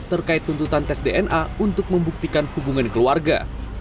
terkait tuntutan tes dna untuk membuktikan hubungan keluarga